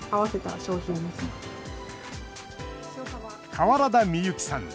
川原田美雪さん。